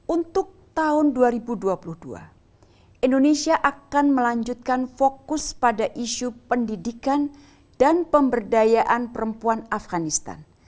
untuk tahun dua ribu dua puluh dua indonesia akan melanjutkan fokus pada isu pendidikan dan pemberdayaan perempuan afganistan